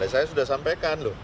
saya sudah sampaikan loh